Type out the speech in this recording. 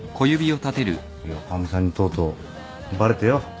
いやかみさんにとうとうバレてよ。